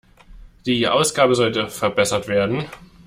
Die Ausgabe sollte verbessert werden.